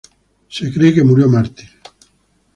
Se cree que murió mártir.